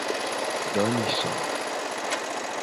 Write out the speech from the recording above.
Donyiso.